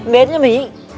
mến như mình